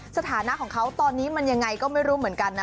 สถานะของเขาตอนนี้มันยังไงก็ไม่รู้เหมือนกันนะ